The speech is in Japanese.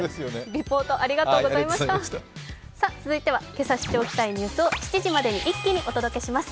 リポート、ありがとうございました続いては、今朝知っておきたいニュースを７時までに一気にお届けします。